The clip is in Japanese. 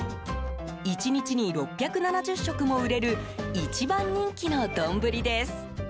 １日に６７０食も売れる一番人気の丼です。